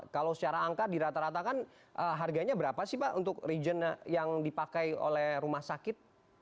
kalau secara angka dirata ratakan harganya berapa sih pak untuk region yang dipakai oleh rumah sakit